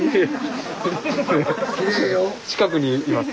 近くにいます。